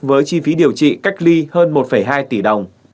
với chi phí điều trị cách ly hơn một hai tỷ đồng